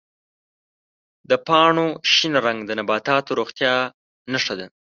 د پاڼو شین رنګ د نباتاتو د روغتیا نښه ده.